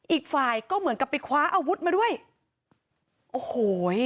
อีกฝ่ายก็เหมือนกับไปคว้าอาวุธมาด้วยโอ้โห